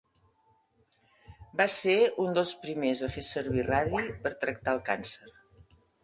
Va ser un dels primers a fer servir radi per tractar el càncer.